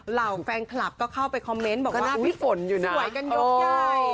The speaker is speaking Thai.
เหล่าแฟนคลับเข้าไปคอมเมนต์บอกว่าสวยกันยกใย